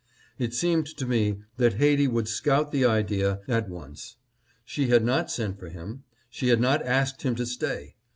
It seemed to me that Haiti would scout the idea at once. She had not sent for him. She had not asked him to stay.